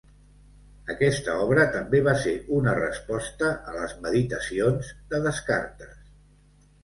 Aquesta obra també va ser una resposta a les "Meditacions" de Descartes.